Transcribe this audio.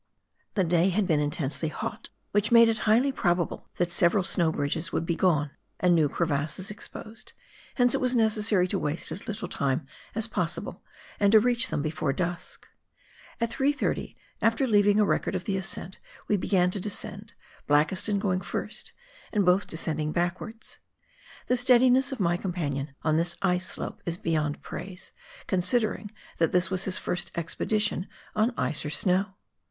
The day had been intensely hot, which made it highly probable that several snow bridges would be gone and new crevasses exposed, hence it was necessary to waste as little time as possible, and to reach them before dusk. At 3.30, after leaving a record of the ascent, we began to descend, Blakiston going first, and both descending backwards. The steadiness of my companion on this ice slope is beyond praise, considering that this was his first expedition on ice or snow.